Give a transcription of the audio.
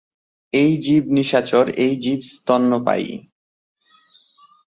এই জীব নিশাচর এই জীব স্তন্যপায়ী।